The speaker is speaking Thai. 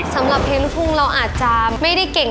สำหรับเพลงลูกทุ่งเราอาจจะไม่ได้เก่ง